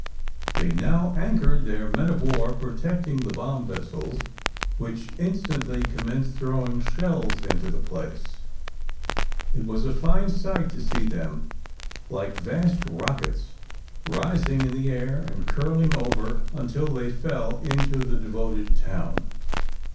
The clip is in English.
They now anchored, their men of war protecting the bomb vessels, which instantly commenced throwing shells into the place. It was a fine sight to see them, like vast rockets, rising in the air and curling over, until they fell into the devoted town.